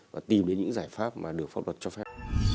và tìm đến những giải pháp mà được pháp luật cho phép